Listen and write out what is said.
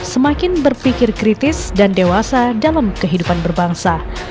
semakin berpikir kritis dan dewasa dalam kehidupan berbangsa